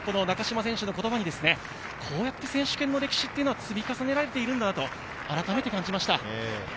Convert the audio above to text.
中島選手の言葉にこうやって選手権の歴史は積み重ねられているんだなとあらためて思いました。